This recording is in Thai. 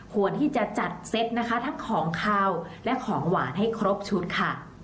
ควรที่จะจัดเซตนะคะทั้งของขาวและของหวานให้ครบชุดค่ะ